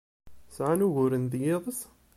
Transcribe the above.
Sɛan uguren deg yiḍes?